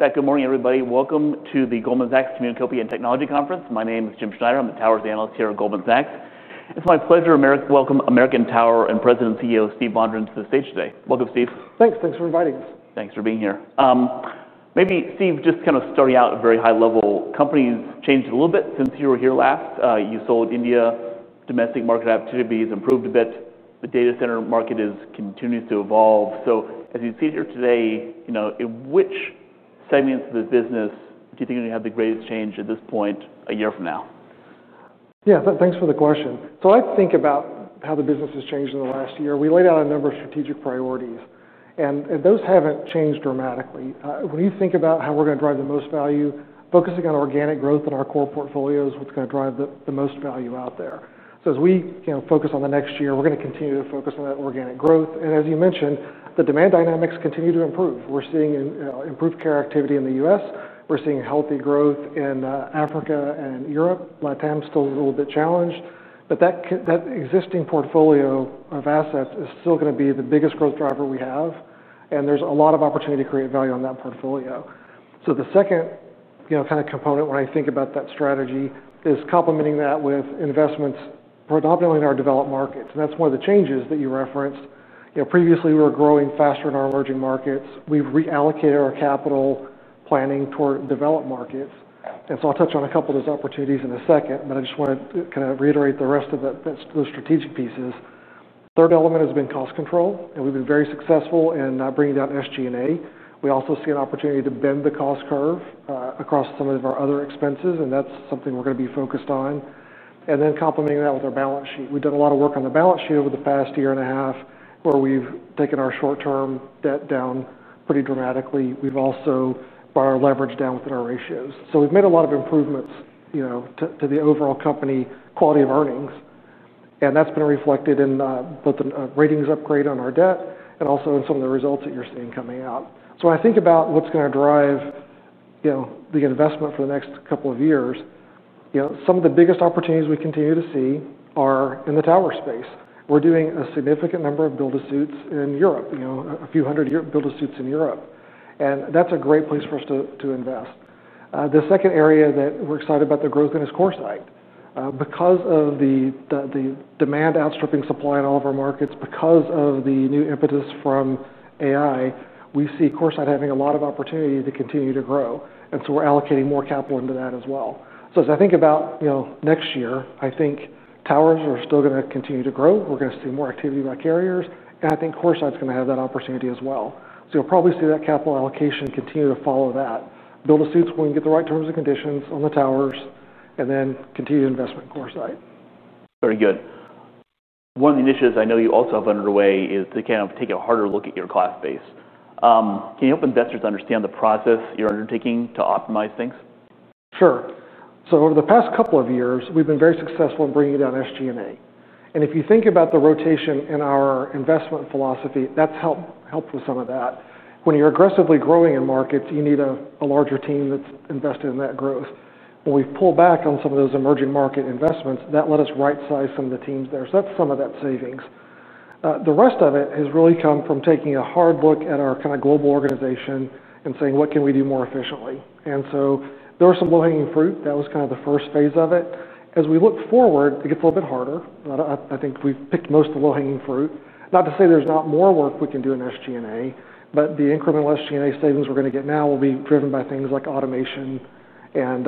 Good morning, everybody. Welcome to the Goldman Sachs Communication and Technology Conference. My name is James Schneider. I'm the Towers Analyst here at Goldman Sachs Group. It's my pleasure to welcome American Tower and President and CEO Steven Vondran to the stage today. Welcome, Steve. Thanks. Thanks for inviting us. Thanks for being here. Maybe, Steve, just kind of starting out at a very high level, the company's changed a little bit since you were here last. You sold India. Domestic market activity has improved a bit. The data center market continues to evolve. As you sit here today, in which segments of the business do you think are going to have the greatest change at this point a year from now? Yeah, thanks for the question. I think about how the business has changed in the last year. We laid out a number of strategic priorities, and those haven't changed dramatically. When you think about how we're going to drive the most value, focusing on organic growth in our core portfolio is what's going to drive the most value out there. As we focus on the next year, we're going to continue to focus on that organic growth. As you mentioned, the demand dynamics continue to improve. We're seeing improved carrier activity in the U.S. We're seeing healthy growth in Africa and Europe. LATAM is still a little bit challenged, but that existing portfolio of assets is still going to be the biggest growth driver we have, and there's a lot of opportunity to create value on that portfolio. The second kind of component when I think about that strategy is complementing that with investments predominantly in our developed markets. That's one of the changes that you referenced. Previously, we were growing faster in our emerging markets. We've reallocated our capital planning toward developed markets. I'll touch on a couple of those opportunities in a second. I just want to reiterate the rest of those strategic pieces. The third element has been cost control, and we've been very successful in bringing down SG&A. We also see an opportunity to bend the cost curve across some of our other expenses, and that's something we're going to be focused on. Complementing that with our balance sheet, we've done a lot of work on the balance sheet over the past year and a half, where we've taken our short-term debt down pretty dramatically. We've also brought our leverage down within our ratios. We've made a lot of improvements to the overall company quality of earnings, and that's been reflected in both the ratings upgrade on our debt and also in some of the results that you're seeing coming out. When I think about what's going to drive the investment for the next couple of years, some of the biggest opportunities we continue to see are in the tower space. We're doing a significant number of build-to-suits in Europe, a few hundred build-to-suits in Europe. That's a great place for us to invest. The second area that we're excited about, the growth in is CoreSite. Because of the demand outstripping supply in all of our markets, because of the new impetus from AI, we see CoreSite having a lot of opportunity to continue to grow. We're allocating more capital into that as well. As I think about next year, I think towers are still going to continue to grow. We're going to see more activity by carriers, and I think CoreSite is going to have that opportunity as well. You'll probably see that capital allocation continue to follow that. Build-to-suits when we can get the right terms and conditions on the towers, and then continue to invest in CoreSite. Very good. One of the initiatives I know you also have underway is to kind of take a harder look at your cloud space. Can you help investors understand the process you're undertaking to optimize things? Sure. Over the past couple of years, we've been very successful in bringing down SG&A. If you think about the rotation in our investment philosophy, that's helped with some of that. When you're aggressively growing in markets, you need a larger team that's invested in that growth. When we've pulled back on some of those emerging market investments, that let us right-size some of the teams there. That's some of that savings. The rest of it has really come from taking a hard look at our global organization and saying, what can we do more efficiently? There were some low-hanging fruit. That was the first phase of it. As we look forward, it gets a little bit harder. I think we've picked most of the low-hanging fruit. Not to say there's not more work we can do in SG&A, but the incremental SG&A savings we're going to get now will be driven by things like automation and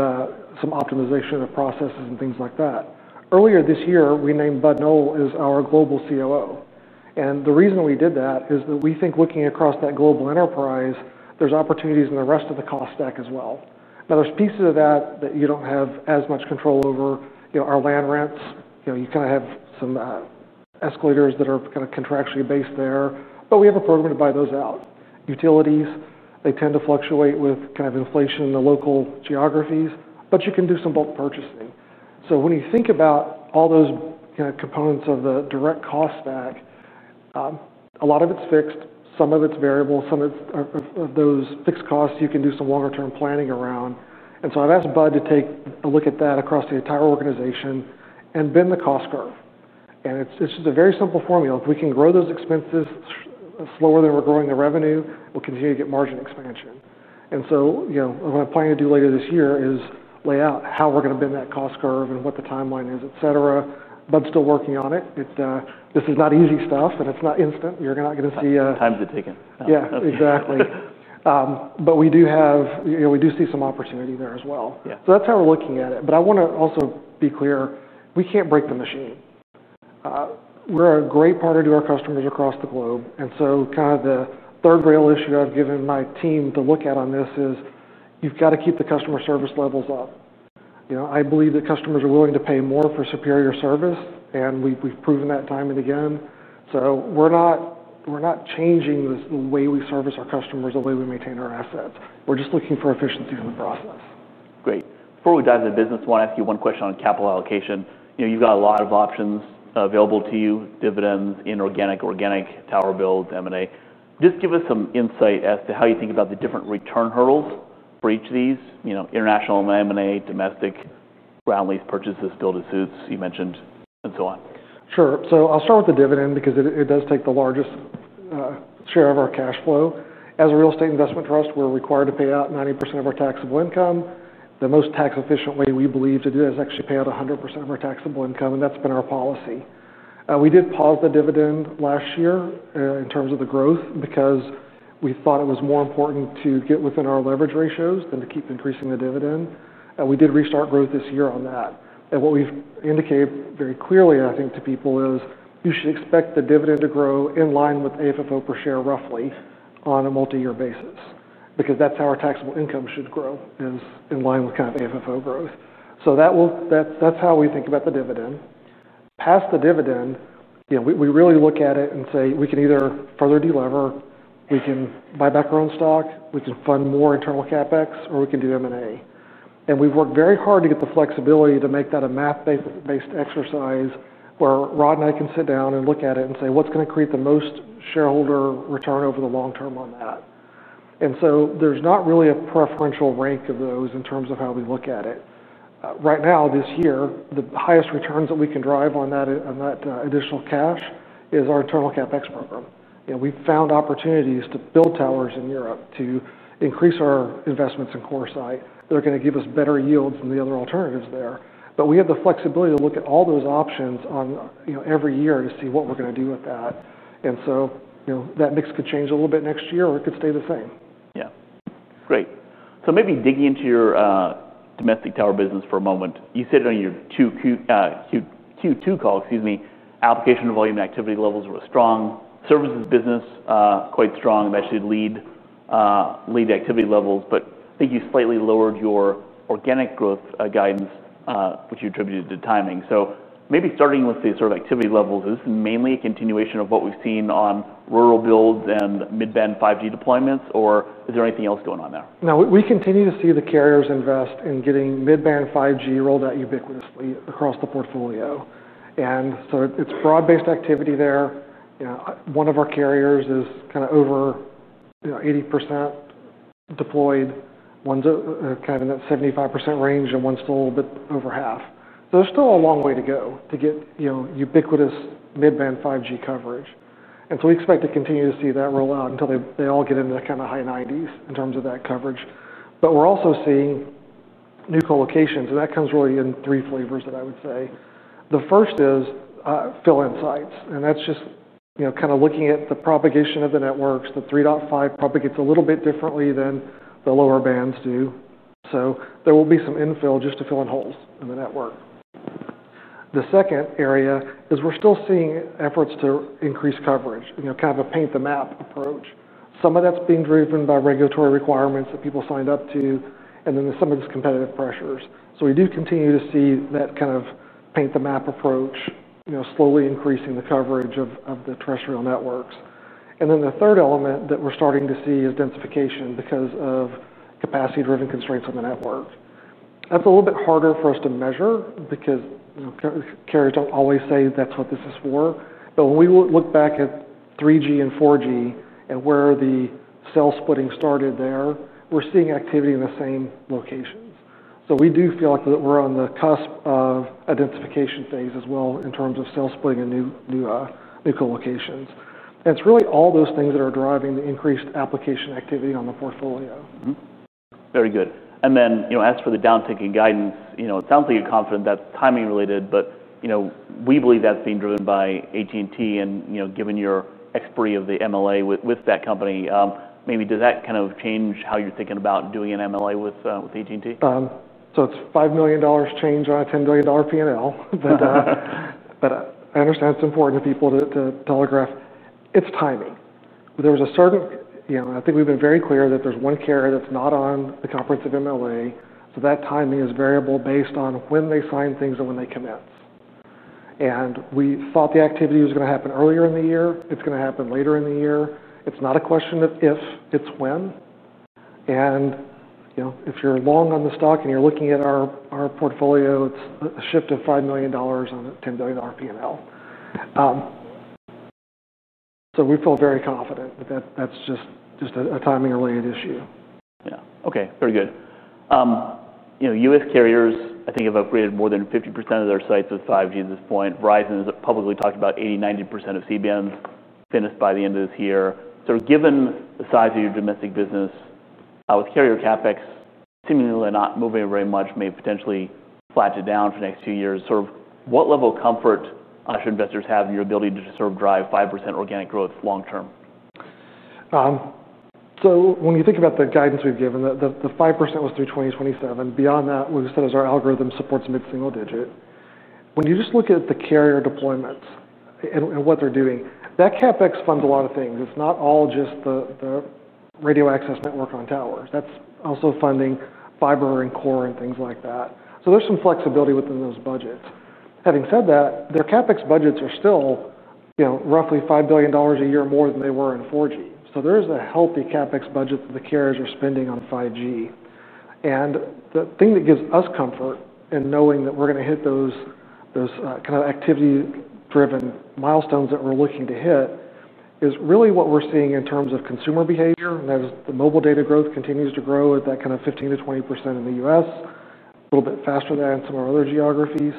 some optimization of processes and things like that. Earlier this year, we named Bud Noel as our global COO. The reason we did that is that we think looking across that global enterprise, there's opportunities in the rest of the cost stack as well. There are pieces of that that you don't have as much control over. Our land rents, you have some escalators that are contractually based there, but we have a program to buy those out. Utilities tend to fluctuate with inflation in the local geographies, but you can do some bulk purchasing. When you think about all those components of the direct cost stack, a lot of it's fixed. Some of it's variable. Some of those fixed costs, you can do some longer-term planning around. I've asked Bud to take a look at that across the entire organization and bend the cost curve. It's just a very simple formula. If we can grow those expenses slower than we're growing the revenue, we'll continue to get margin expansion. What I'm planning to do later this year is lay out how we're going to bend that cost curve and what the timeline is, etc. Bud's still working on it. This is not easy stuff, and it's not instant. You're not going to see. How long has it taken. Yeah, exactly. We do see some opportunity there as well. That's how we're looking at it. I want to also be clear, we can't break the machine. We're a great partner to our customers across the globe. The third rail issue I've given my team to look at on this is you've got to keep the customer service levels up. I believe that customers are willing to pay more for superior service, and we've proven that time and again. We're not changing the way we service our customers or the way we maintain our assets. We're just looking for efficiency in the process. Great. Before we dive into business, I want to ask you one question on capital allocation. You've got a lot of options available to you: dividends, inorganic, organic, tower builds, M&A. Just give us some insight as to how you think about the different return hurdles for each of these, you know, international M&A and domestic ground lease purchases, build-to-suits you mentioned, and so on. Sure. I'll start with the dividend because it does take the largest share of our cash flow. As a real estate investment trust, we're required to pay out 90% of our taxable income. The most tax-efficient way we believe to do that is to actually pay out 100% of our taxable income, and that's been our policy. We did pause the dividend last year in terms of the growth because we thought it was more important to get within our leverage ratios than to keep increasing the dividend. We did restart growth this year on that. What we've indicated very clearly, I think, to people is you should expect the dividend to grow in line with AFFO per share roughly on a multi-year basis because that's how our taxable income should grow, is in line with kind of AFFO growth. That's how we think about the dividend. Past the dividend, we really look at it and say, "We can either further delever, we can buy back our own stock, we can fund more internal CapEx, or we can do M&A." We've worked very hard to get the flexibility to make that a math-based exercise where Rod and I can sit down and look at it and say, what's going to create the most shareholder return over the long term on that? There's not really a preferential rank of those in terms of how we look at it. Right now, this year, the highest returns that we can drive on that additional cash is our internal CapEx program. We found opportunities to build towers in Europe to increase our investments in CoreSite. They're going to give us better yields than the other alternatives there. We have the flexibility to look at all those options every year to see what we're going to do with that. That mix could change a little bit next year or it could stay the same. Great. Maybe digging into your domestic tower business for a moment. You said on your Q2 call, application volume activity levels were strong. Services business, quite strong. That should lead to activity levels. I think you slightly lowered your organic growth guidance, which you attributed to timing. Maybe starting with the sort of activity levels, is this mainly a continuation of what we've seen on rural builds and mid-band 5G deployments, or is there anything else going on there? No, we continue to see the carriers invest in getting mid-band 5G rolled out ubiquitously across the portfolio, and it's broad-based activity there. One of our carriers is kind of over 80% deployed, one's kind of in that 75% range, and one's still a little bit over half. There's still a long way to go to get ubiquitous mid-band 5G coverage. We expect to continue to see that roll out until they all get into kind of the high 90s in terms of that coverage. We're also seeing new colocations, and that comes really in three flavors that I would say. The first is fill-in sites, and that's just kind of looking at the propagation of the networks. The 3.5 propagates a little bit differently than the lower bands do, so there will be some infill just to fill in holes in the network. The second area is we're still seeing efforts to increase coverage, kind of a paint-the-map approach. Some of that's being driven by regulatory requirements that people signed up to, and then some of these competitive pressures. We do continue to see that kind of paint-the-map approach, slowly increasing the coverage of the terrestrial networks. The third element that we're starting to see is densification because of capacity-driven constraints on the network. That's a little bit harder for us to measure because carriers don't always say that's what this is for, but when we look back at 3G and 4G and where the cell splitting started there, we're seeing activity in the same locations. We do feel like we're on the cusp of a densification phase as well in terms of cell splitting and new colocations. It's really all those things that are driving the increased application activity on the portfolio. Very good. As for the downtick in guidance, it sounds like you're confident that's timing related, but we believe that's being driven by AT&T and given your expertise of the MLA with that company. Maybe, does that kind of change how you're thinking about doing an MLA with AT&T? It's a $5 million change on a $10 billion P&L. I understand it's important to people to telegraph. It's timing. I think we've been very clear that there's one carrier that's not on the comprehensive MLA. That timing is variable based on when they sign things and when they commit. We thought the activity was going to happen earlier in the year. It's going to happen later in the year. It's not a question of if, it's when. If you're long on the stock and you're looking at our portfolio, it's a shift of $5 million on a $10 billion P&L. We feel very confident that that's just a timing-related issue. Yeah. OK, very good. U.S. carriers, I think, have upgraded more than 50% of their sites with 5G at this point. Verizon has publicly talked about 80%-90% of CBMs finished by the end of this year. Given the size of your domestic business, with carrier CapEx seemingly not moving very much, may potentially plateau down for the next two years, what level of comfort should investors have in your ability to drive 5% organic growth long term? When you think about the guidance we've given, the 5% was through 2027. Beyond that, what we've said is our algorithm supports mid-single digit. When you just look at the carrier deployments and what they're doing, that CapEx funds a lot of things. It's not all just the radio access network on towers. That's also funding fiber and core and things like that. There is some flexibility within those budgets. Having said that, their CapEx budgets are still roughly $5 billion a year more than they were in 4G. There is a healthy CapEx budget that the carriers are spending on 5G. The thing that gives us comfort in knowing that we're going to hit those kind of activity-driven milestones that we're looking to hit is really what we're seeing in terms of consumer behavior. As the mobile data growth continues to grow at that kind of 15%-20% in the U.S., a little bit faster than some of our other geographies,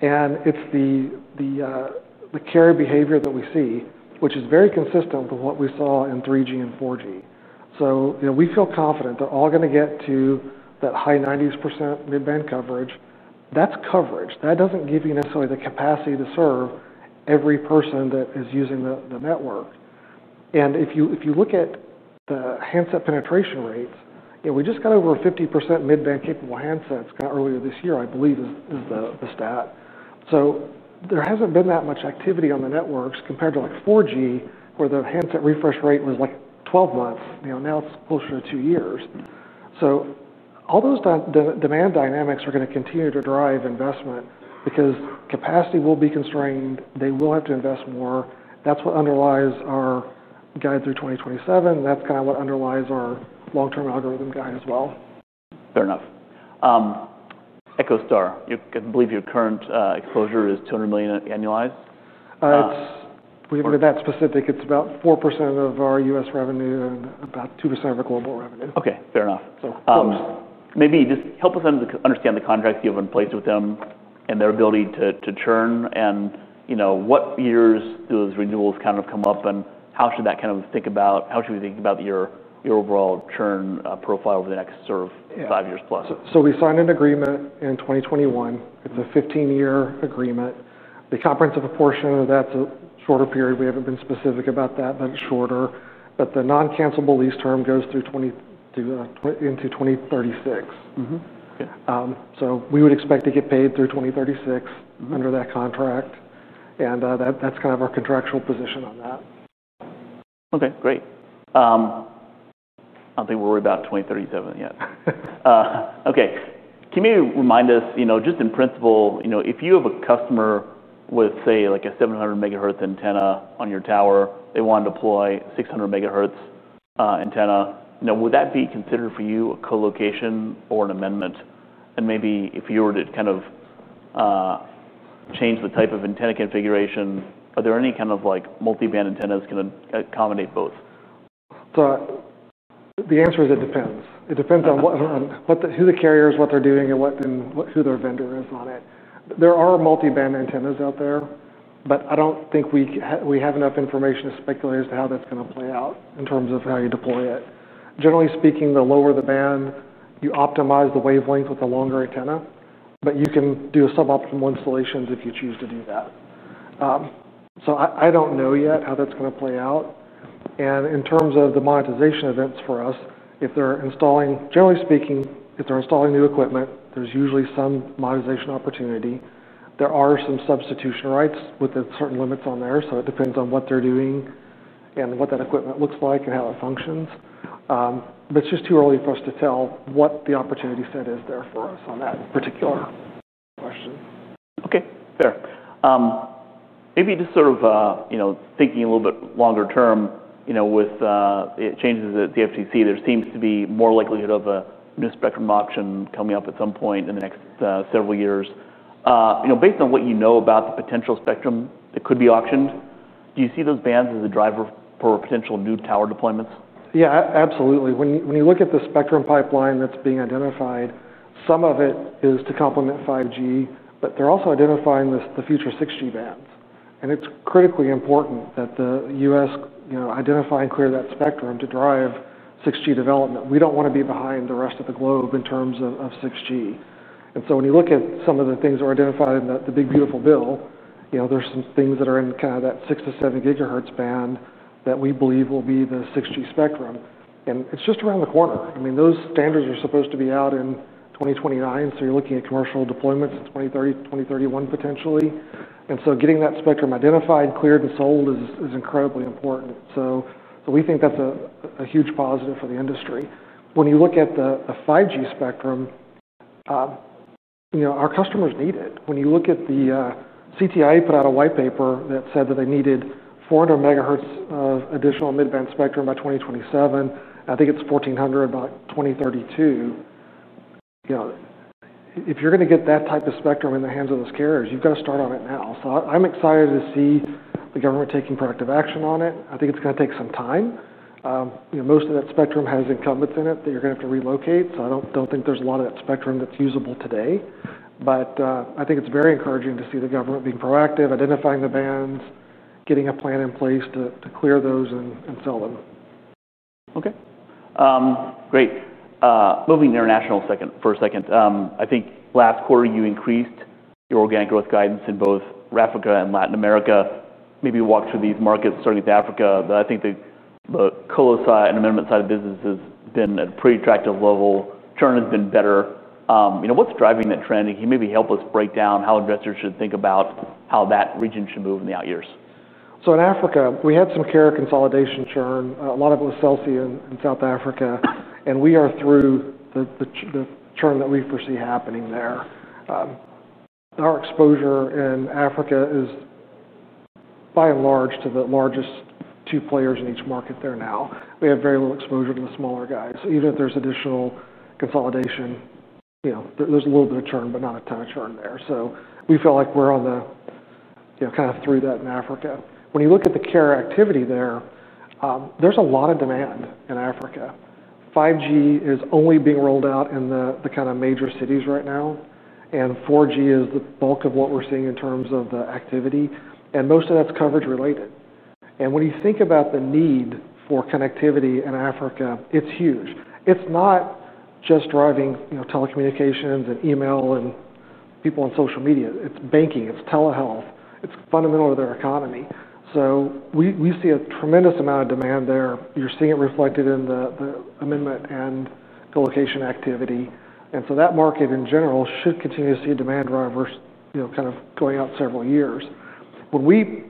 it's the carrier behavior that we see, which is very consistent with what we saw in 3G and 4G. We feel confident they're all going to get to that high 90% mid-band coverage. That's coverage. That doesn't give you necessarily the capacity to serve every person that is using the network. If you look at the handset penetration rates, we just got over 50% mid-band capable handsets kind of earlier this year, I believe, is the stat. There hasn't been that much activity on the networks compared to like 4G, where the handset refresh rate was like 12 months. Now it's closer to two years. All those demand dynamics are going to continue to drive investment because capacity will be constrained. They will have to invest more. That's what underlies our guide through 2027. That's kind of what underlies our long-term algorithm guide as well. Fair enough. EchoStar, I believe your current exposure is $200 million annualized. We haven't been that specific. It's about 4% of our U.S. revenue and about 2% of the global revenue. OK, fair enough. Maybe just help us understand the contracts you have in place with them and their ability to churn, and what years those renewals kind of come up, and how should we think about your overall churn profile over the next sort of 5+ years? We signed an agreement in 2021. It's a 15-year agreement. The comprehensive apportionment of that's a shorter period. We haven't been specific about that, but it's shorter. The non-cancelable lease term goes through into 2036. We would expect to get paid through 2036 under that contract. That's kind of our contractual position on that. OK, great. I don't think we're worried about 2037 yet. OK, can you maybe remind us, you know, just in principle, if you have a customer with, say, like a 700 MHz antenna on your tower, they want to deploy a 600 MHz antenna, would that be considered for you a colocation or an amendment? Maybe if you were to kind of change the type of antenna configuration, are there any kind of multi-band antennas that can accommodate both? The answer is it depends. It depends on who the carrier is, what they're doing, and who their vendor is on it. There are multi-band antennas out there, but I don't think we have enough information to speculate as to how that's going to play out in terms of how you deploy it. Generally speaking, the lower the band, you optimize the wavelength with a longer antenna, but you can do suboptimal installations if you choose to do that. I don't know yet how that's going to play out. In terms of the monetization events for us, if they're installing, generally speaking, if they're installing new equipment, there's usually some monetization opportunity. There are some substitution rights with certain limits on there. It depends on what they're doing and what that equipment looks like and how it functions. It's just too early for us to tell what the opportunity set is there for us on that particular question. OK, fair. Maybe just sort of thinking a little bit longer term, you know, with the changes at the FTC, there seems to be more likelihood of a new spectrum auction coming up at some point in the next several years. You know, based on what you know about the potential spectrum that could be auctioned, do you see those bands as a driver for potential new tower deployments? Yeah, absolutely. When you look at the spectrum pipeline that's being identified, some of it is to complement 5G, but they're also identifying the future 6G bands. It's critically important that the U.S. identify and clear that spectrum to drive 6G development. We don't want to be behind the rest of the globe in terms of 6G. When you look at some of the things that are identified in the Big Beautiful Bill, there are some things that are in kind of that 6 GHz-7 GHz band that we believe will be the 6G spectrum. It's just around the corner. Those standards are supposed to be out in 2029. You're looking at commercial deployments in 2030, 2031 potentially. Getting that spectrum identified, cleared, and sold is incredibly important. We think that's a huge positive for the industry. When you look at the 5G spectrum, our customers need it. The CTI put out a white paper that said that they needed 400 MHz of additional mid-band spectrum by 2027. I think it's 1,400 MHz by 2032. If you're going to get that type of spectrum in the hands of those carriers, you've got to start on it now. I'm excited to see the government taking proactive action on it. I think it's going to take some time. Most of that spectrum has incumbents in it that you're going to have to relocate. I don't think there's a lot of that spectrum that's usable today. I think it's very encouraging to see the government being proactive, identifying the bands, getting a plan in place to clear those and fill them. OK. Great. Moving international for a second, I think last quarter you increased your organic growth guidance in both Africa and Latin America. Maybe walk through these markets starting with Africa. I think the colo side and amendment side of business has been at a pretty attractive level. Churn has been better. What's driving that trend? Can you maybe help us break down how investors should think about how that region should move in the out years? In Africa, we had some carrier consolidation churn. A lot of it was Cell C in South Africa. We are through the churn that we foresee happening there. Our exposure in Africa is by and large to the largest two players in each market there now. We have very little exposure to the smaller guys. Even if there's additional consolidation, there's a little bit of churn, but not a ton of churn there. We feel like we're kind of through that in Africa. When you look at the carrier activity there, there's a lot of demand in Africa. 5G is only being rolled out in the major cities right now. 4G is the bulk of what we're seeing in terms of the activity, and most of that's coverage related. When you think about the need for connectivity in Africa, it's huge. It's not just driving telecommunications and email and people on social media. It's banking. It's telehealth. It's fundamental to their economy. We see a tremendous amount of demand there. You're seeing it reflected in the amendment and colocation activity. That market in general should continue to see a demand driver going out several years. When we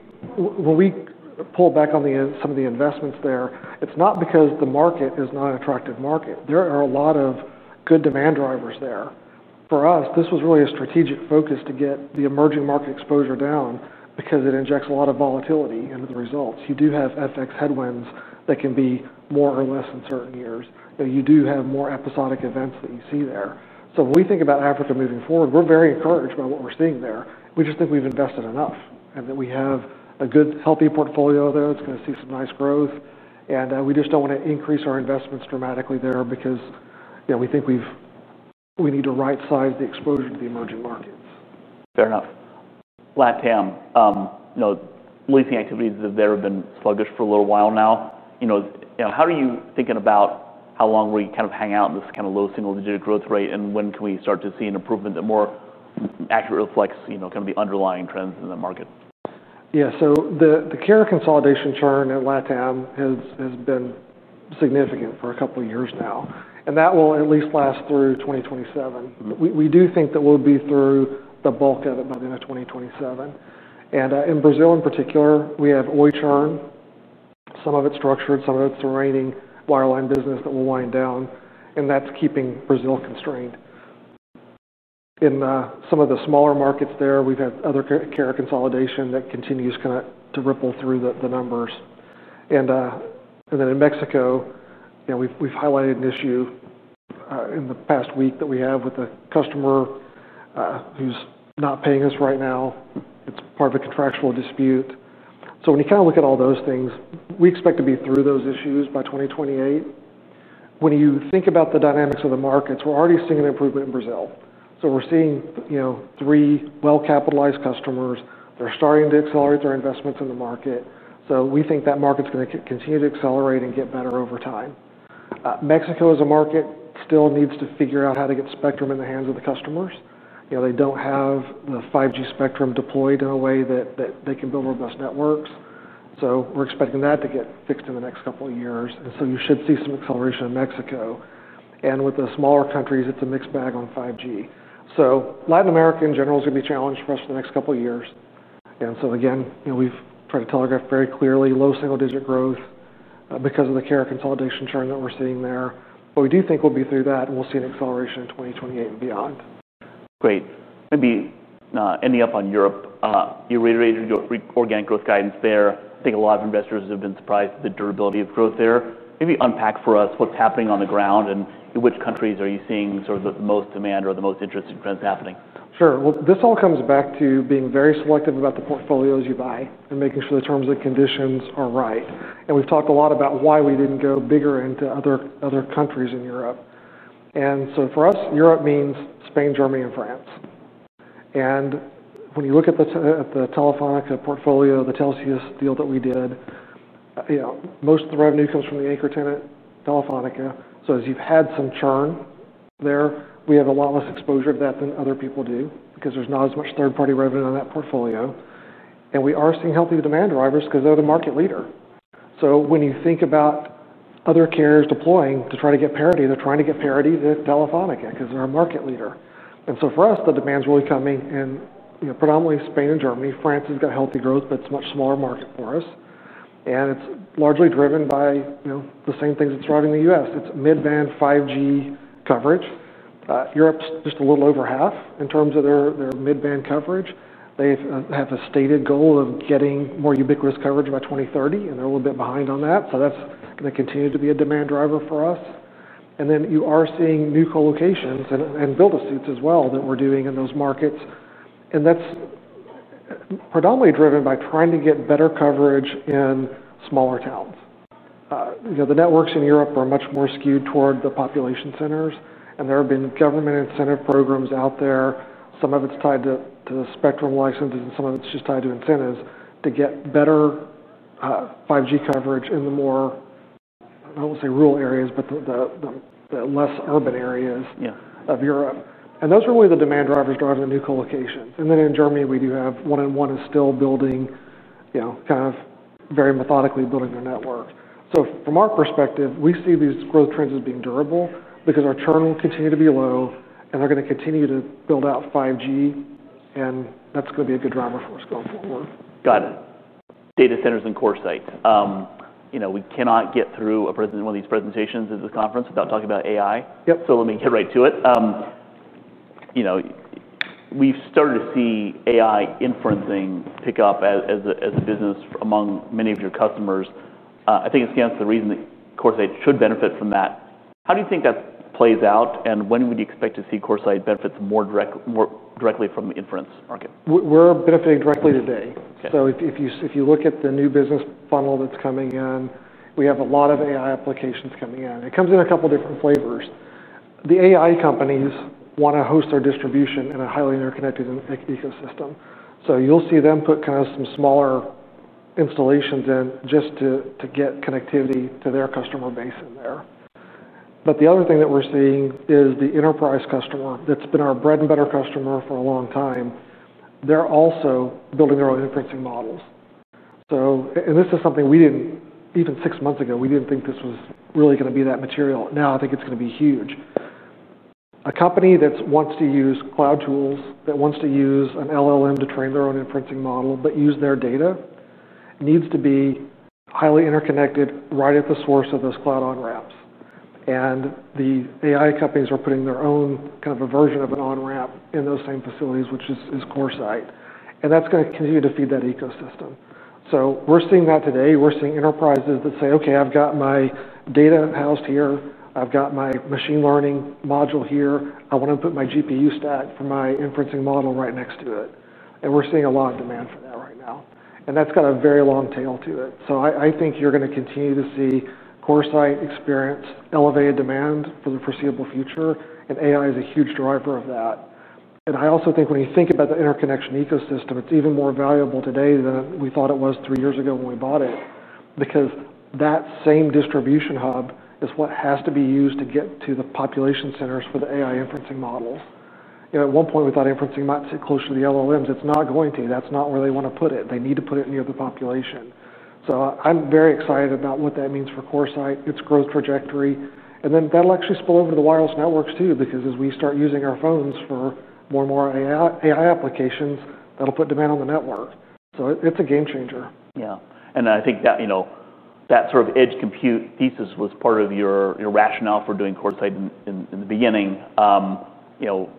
pulled back on some of the investments there, it's not because the market is not an attractive market. There are a lot of good demand drivers there. For us, this was really a strategic focus to get the emerging market exposure down because it injects a lot of volatility into the results. You do have FX headwinds that can be more or less in certain years. You do have more episodic events that you see there. When we think about Africa moving forward, we're very encouraged by what we're seeing there. We just think we've invested enough and that we have a good, healthy portfolio there that's going to see some nice growth. We just don't want to increase our investments dramatically there because we think we need to right-size the exposure to the emerging markets. Fair enough. LATAM, you know, leasing activities have been sluggish for a little while now. How are you thinking about how long we kind of hang out in this kind of low single-digit growth rate, and when can we start to see an improvement that more accurately reflects kind of the underlying trends in the market? Yeah, so the carrier consolidation churn in LATAM has been significant for a couple of years now, and that will at least last through 2027. We do think that we'll be through the bulk of it by the end of 2027. In Brazil, in particular, we have Oi churn. Some of it's structured, some of it's a remaining wireline business that will wind down, and that's keeping Brazil constrained. In some of the smaller markets there, we've had other carrier consolidation that continues to ripple through the numbers. In Mexico, we've highlighted an issue in the past week that we have with a customer who's not paying us right now. It's part of a contractual dispute. When you look at all those things, we expect to be through those issues by 2028. When you think about the dynamics of the markets, we're already seeing an improvement in Brazil. We're seeing three well-capitalized customers. They're starting to accelerate their investments in the market. We think that market's going to continue to accelerate and get better over time. Mexico is a market that still needs to figure out how to get spectrum in the hands of the customers. They don't have the 5G spectrum deployed in a way that they can build robust networks. We're expecting that to get fixed in the next couple of years, and you should see some acceleration in Mexico. With the smaller countries, it's a mixed bag on 5G. Latin America in general is going to be challenged for us in the next couple of years. We've tried to telegraph very clearly low single-digit growth because of the carrier consolidation churn that we're seeing there. We do think we'll be through that and we'll see an acceleration in 2028 and beyond. Great. Maybe ending up on Europe, you reiterated your organic growth guidance there. I think a lot of investors have been surprised at the durability of growth there. Maybe unpack for us what's happening on the ground and in which countries are you seeing the most demand or the most interesting trends happening? Sure. This all comes back to being very selective about the portfolios you buy and making sure the terms and conditions are right. We've talked a lot about why we didn't go bigger into other countries in Europe. For us, Europe means Spain, Germany, and France. When you look at the Telefónica portfolio, the Telxius deal that we did, most of the revenue comes from the anchor tenant Telefónica. As you've had some churn there, we have a lot less exposure to that than other people do because there's not as much third-party revenue in that portfolio. We are seeing healthy demand drivers because they're the market leader. When you think about other carriers deploying to try to get parity, they're trying to get parity to Telefónica because they're a market leader. For us, the demand is really coming in predominantly Spain and Germany. France has got healthy growth, but it's a much smaller market for us. It's largely driven by the same things that's driving the U.S. It's mid-band 5G coverage. Europe is just a little over 50% in terms of their mid-band coverage. They have a stated goal of getting more ubiquitous coverage by 2030, and they're a little bit behind on that. That's going to continue to be a demand driver for us. You are seeing new colocations and build-to-suits as well that we're doing in those markets. That's predominantly driven by trying to get better coverage in smaller towns. The networks in Europe are much more skewed toward the population centers. There have been government incentive programs out there. Some of it's tied to the spectrum licenses and some of it's just tied to incentives to get better 5G coverage in the more, I won't say rural areas, but the less urban areas of Europe. Those are really the demand drivers driving the new colocations. In Germany, we do have 1&1 is still building, kind of very methodically building their network. From our perspective, we see these growth trends as being durable because our churn will continue to be low and they're going to continue to build out 5G. That's going to be a good driver for us going forward. Got it. Data centers and CoreSite. We cannot get through one of these presentations at this conference without talking about AI. Let me get right to it. We've started to see AI inferencing pick up as a business among many of your customers. I think it stands to reason that CoreSite should benefit from that. How do you think that plays out and when would you expect to see CoreSite benefit more directly from the inference market? We're benefiting directly today. If you look at the new business funnel that's coming in, we have a lot of AI applications coming in. It comes in a couple of different flavors. The AI companies want to host their distribution in a highly interconnected ecosystem. You'll see them put kind of some smaller installations in just to get connectivity to their customer base in there. The other thing that we're seeing is the enterprise customer that's been our bread and butter customer for a long time. They're also building their own inferencing models. This is something we didn't, even six months ago, we didn't think this was really going to be that material. Now, I think it's going to be huge. A company that wants to use cloud tools, that wants to use an LLM to train their own inferencing model but use their data, needs to be highly interconnected right at the source of those cloud on-ramps. The AI companies are putting their own kind of a version of an on-ramp in those same facilities, which is CoreSite, and that's going to continue to feed that ecosystem. We're seeing that today. We're seeing enterprises that say, "Okay, I've got my data in-house here. I've got my machine learning module here. I want to put my GPU stack for my inferencing model right next to it." We're seeing a lot of demand for that right now, and that's got a very long tail to it. I think you're going to continue to see CoreSite experience elevated demand for the foreseeable future. AI is a huge driver of that. I also think when you think about the interconnection ecosystem, it's even more valuable today than we thought it was three years ago when we bought it because that same distribution hub is what has to be used to get to the population centers for the AI inferencing models. At one point, we thought inferencing might sit closer to the LLMs. It's not going to. That's not where they want to put it. They need to put it near the population. I'm very excited about what that means for CoreSite, its growth trajectory. That'll actually spill over to the wireless networks too because as we start using our phones for more and more AI applications, that'll put demand on the network. It's a game changer. Yeah. I think that, you know, that sort of edge-compute thesis was part of your rationale for doing CoreSite in the beginning. You know,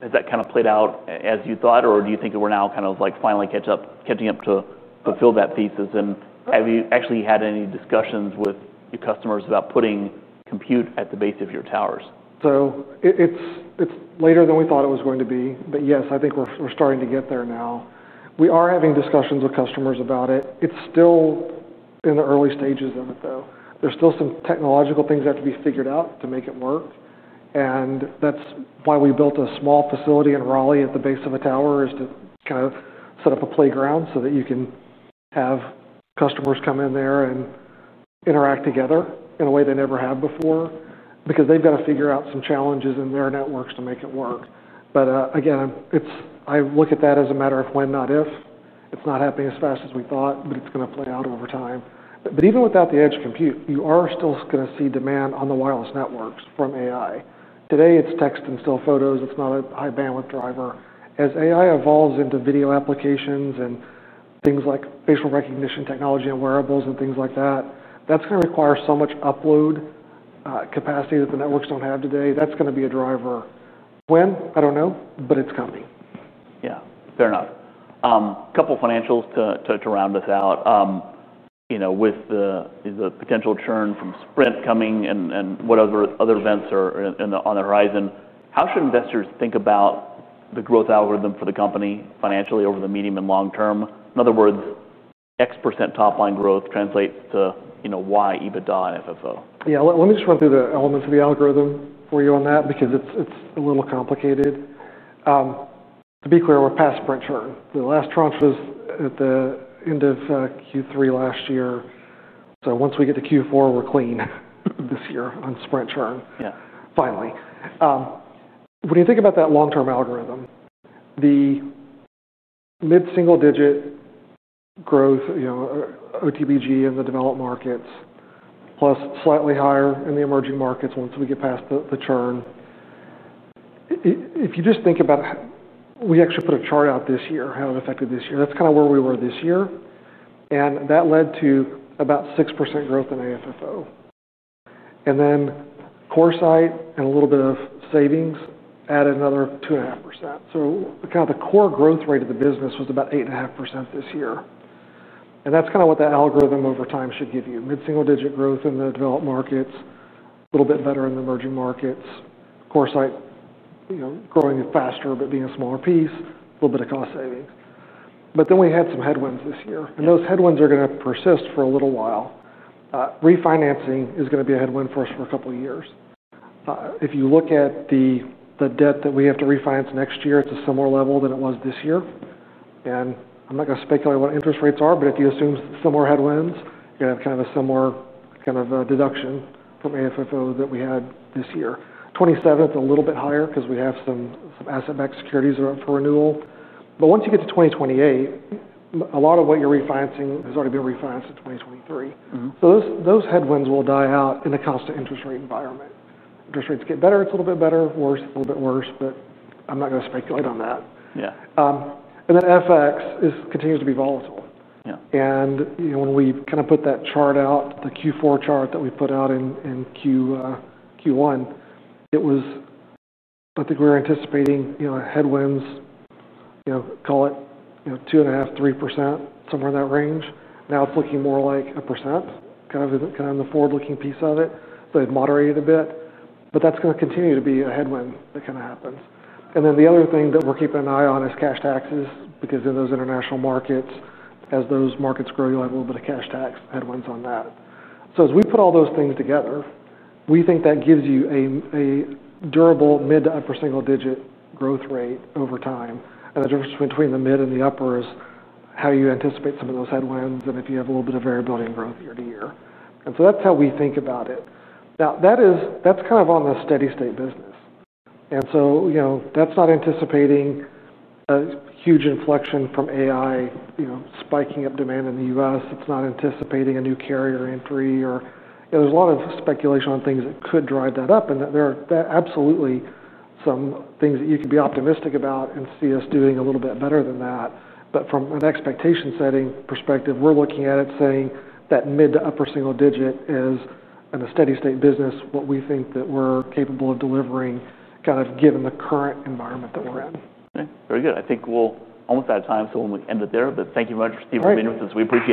has that kind of played out as you thought, or do you think that we're now kind of like finally catching up to fulfill that thesis? Have you actually had any discussions with your customers about putting compute at the base of your towers? It is later than we thought it was going to be, but yes, I think we're starting to get there now. We are having discussions with customers about it. It's still in the early stages, though. There are still some technological things that have to be figured out to make it work. That is why we built a small facility in Raleigh at the base of a tower, to set up a playground so that you can have customers come in there and interact together in a way they never have before because they've got to figure out some challenges in their networks to make it work. Again, I look at that as a matter of when, not if. It's not happening as fast as we thought, but it's going to play out over time. Even without the edge compute, you are still going to see demand on the wireless networks from AI. Today, it's text and cell photos. It's not a high-bandwidth driver. As AI evolves into video applications and things like facial recognition technology and wearables and things like that, that's going to require so much upload capacity that the networks don't have today. That is going to be a driver. When? I don't know, but it's coming. Yeah, fair enough. A couple of financials to round this out. With the potential churn from Sprint coming and whatever other events are on the horizon, how should investors think about the growth algorithm for the company financially over the medium and long term? In other words, X% top line growth translates to, you know, Y EBITDA and FFO. Yeah, let me just run through the elements of the algorithm for you on that because it's a little complicated. To be clear, we're past Sprint churn. The last tranche was at the end of Q3 last year. Once we get to Q4, we're clean this year on Sprint churn, finally. When you think about that long-term algorithm, the mid-single digit growth, you know, OTBG in the developed markets, plus slightly higher in the emerging markets once we get past the churn. If you just think about it, we actually put a chart out this year, how it affected this year. That's kind of where we were this year. That led to about 6% growth in AFFO. CoreSite and a little bit of savings added another 2.5%. The core growth rate of the business was about 8.5% this year. That's kind of what that algorithm over time should give you. Mid-single digit growth in the developed markets, a little bit better in the emerging markets. CoreSite, you know, growing faster but being a smaller piece, a little bit of cost savings. We had some headwinds this year. Those headwinds are going to persist for a little while. Refinancing is going to be a headwind for us for a couple of years. If you look at the debt that we have to refinance next year, it's a similar level than it was this year. I'm not going to speculate what interest rates are, but if you assume similar headwinds, you're going to have kind of a similar kind of deduction from AFFO that we had this year. 2027, it's a little bit higher because we have some asset-backed securities for renewal. Once you get to 2028, a lot of what you're refinancing has already been refinanced in 2023. Those headwinds will die out in a constant interest rate environment. Interest rates get better, it's a little bit better, worse, a little bit worse. I'm not going to speculate on that. FX continues to be volatile. When we kind of put that chart out, the Q4 chart that we put out in Q1, it was, I think we were anticipating headwinds, call it 2.5%, 3%, somewhere in that range. Now it's looking more like a percent, kind of in the forward-looking piece of it. They've moderated a bit. That's going to continue to be a headwind that kind of happens. The other thing that we're keeping an eye on is cash taxes because in those international markets, as those markets grow, you'll have a little bit of cash tax headwinds on that. As we put all those things together, we think that gives you a durable mid to upper single-digit growth rate over time. The difference between the mid and the upper is how you anticipate some of those headwinds and if you have a little bit of variability in growth year to year. That's how we think about it. Now, that's kind of on the steady-state business. That's not anticipating a huge inflection from AI spiking up demand in the U.S. It's not anticipating a new carrier entry. There is a lot of speculation on things that could drive that up. There are absolutely some things that you could be optimistic about and see us doing a little bit better than that. From an expectation setting perspective, we're looking at it saying that mid to upper single digit is, in a steady-state business, what we think that we're capable of delivering, kind of given the current environment that we're in. Very good. I think we're almost out of time, so we'll end it there. Thank you very much, Steve, for being with us. We appreciate it.